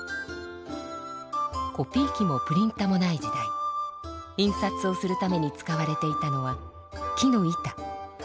コピー機もプリンタもない時代印刷をするために使われていたのは木の板。